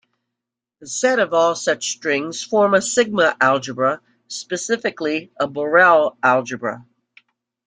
The set of all such strings form a sigma algebra, specifically, a Borel algebra.